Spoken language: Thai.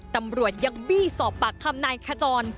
ตำรวจยังบี้สอบปากคำนายขจร